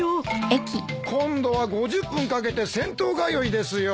今度は５０分かけて銭湯通いですよ。